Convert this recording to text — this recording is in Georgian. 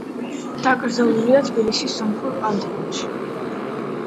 დაკრძალულია თბილისის სომხურ პანთეონში.